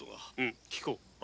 聞こう。